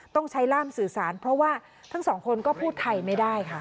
ต้องใช้ร่ามสื่อสารเพราะว่าทั้งสองคนก็พูดไทยไม่ได้ค่ะ